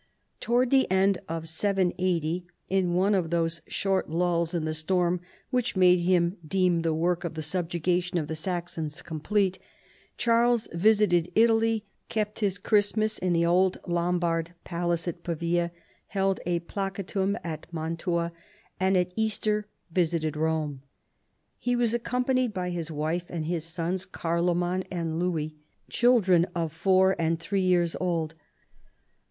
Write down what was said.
Towards the end of 780, in one of those short lulls in the storm which made him deem the work of the subjugation of the Saxons complete, Charles visited Italy, kept his Christmas in the old Lombard palace at Pavia, held a pladtum^ at Mantua, and at Easter visited Rome. He was accompanied by his wife and his sons, Car loman and Louis, children of four and three years old.